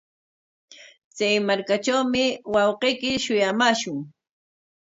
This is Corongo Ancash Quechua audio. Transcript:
Chay markatrawmi wawqiyki shuyamaashun.